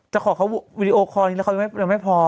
จะขอเขาวิดีโอคอแล้วเขาไม่พอ